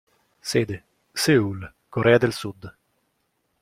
Sede: Seul, Corea del Sud.